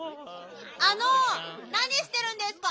あのなにしてるんですか？